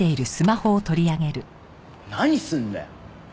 何すんだよ！